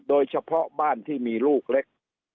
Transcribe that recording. โดยเฉพาะบ้านที่มีลูกเล็ก